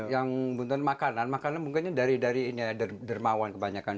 yang butuh makanan makanan mungkin dari dermawan kebanyakan